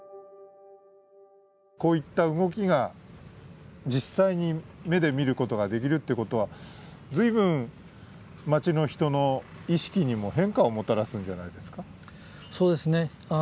こういった動きが実際に目で見ることができるということは、ずいぶん町の人の意識にも変化をもたらすんじゃないですか？